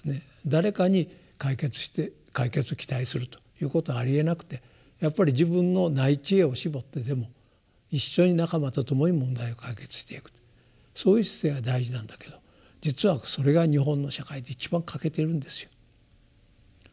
誰かに解決して解決を期待するということはありえなくてやっぱり自分のない智慧を絞ってでも一緒に仲間と共に問題を解決していくとそういう姿勢が大事なんだけど実はそれが日本の社会で一番欠けてるんですよ。